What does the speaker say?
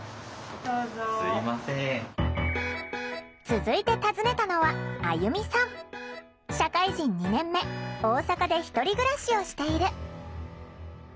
続いて訪ねたのは社会人２年目大阪で１人暮らしをしている。